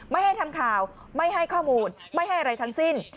ไม่ให้ทำข่าวไม่ให้ข้อมูลไม่ให้อะไรทั้งสิ้น